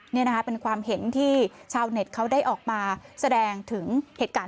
นี่นะคะเป็นความเห็นที่ชาวเน็ตเขาได้ออกมาแสดงถึงเหตุการณ์